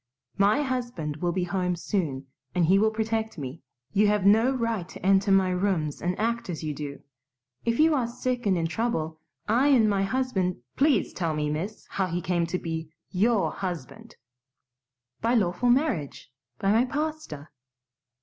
"MY husband will be home soon and he will protect me. You have no right to enter my rooms and act as you do. If you are sick and in trouble, I and my husband " "Please tell me, miss, how he became YOUR husband?" "By lawful marriage, by my pastor."